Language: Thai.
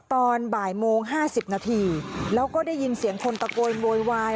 ตอนบ่ายโมง๕๐นาทีแล้วก็ได้ยินเสียงคนตะโกนโวยวาย